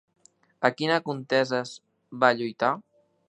A quines conteses va lluitar?